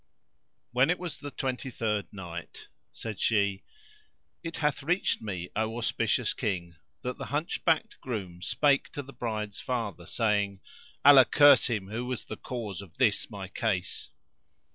When it was the Twenty third Night, Said she, It hath reached me, O auspicious King, that the hunchbacked groom spake to the bride's father saying, "Allah curse him who was the cause of this my case!"